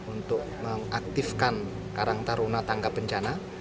untuk mengaktifkan karang taruna tangga bencana